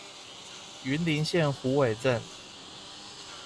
雲林縣虎尾鎮